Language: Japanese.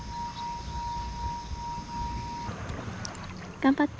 頑張って。